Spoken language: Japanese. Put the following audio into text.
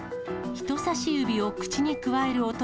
人さし指を口にくわえる男。